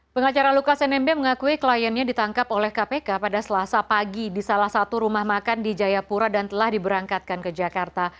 pengacara lukas nmb mengakui kliennya ditangkap oleh kpk pada selasa pagi di salah satu rumah makan di jayapura dan telah diberangkatkan ke jakarta